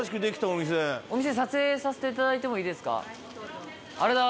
お店撮影させていただいてもいいですか。